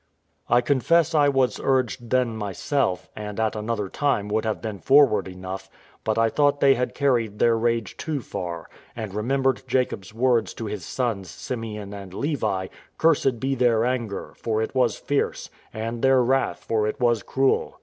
I confess I was urged then myself, and at another time would have been forward enough; but I thought they had carried their rage too far, and remembered Jacob's words to his sons Simeon and Levi: "Cursed be their anger, for it was fierce; and their wrath, for it was cruel."